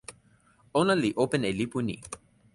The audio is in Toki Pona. ona li open e lipu ni.